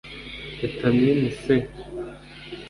Vitamin C